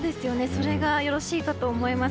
それがよろしいかと思います。